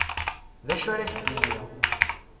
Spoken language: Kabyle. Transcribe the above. D acu ara k-d-iniɣ.